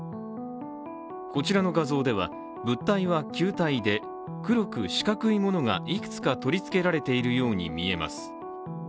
こちらの画像では、物体は球体で黒く四角いものがいくつか取り付けられているように見えます。